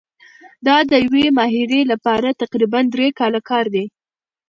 دا د یوې ماهرې لپاره تقریباً درې کاله کار دی.